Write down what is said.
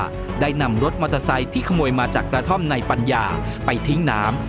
ได้นำรถมอเตอร์ไซค์ที่ขโมยมาจากกระท่อมในปัญญาไปทิ้งน้ำ